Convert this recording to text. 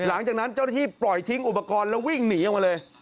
เจ้าหน้าที่ปล่อยทิ้งอุปกรณ์แล้ววิ่งหนีออกมาเลย